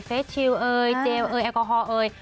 ชิลเอยเจลเอยแอลกอฮอล์เอ่ย